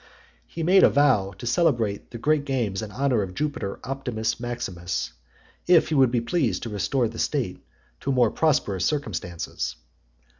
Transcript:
He made a vow to celebrate the great games in honour of Jupiter, Optimus, Maximus, "if he would be pleased to restore the state to more prosperous circumstances."